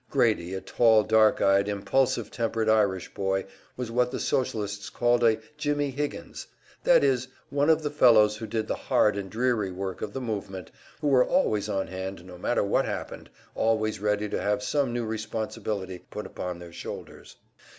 Grady, a tall, dark eyed, impulsive tempered Irish boy, was what the Socialists called a "Jimmie Higgins," that is, one of the fellows who did the hard and dreary work of the movement, who were always on hand no matter what happened, always ready to have some new responsibility put upon their shoulders.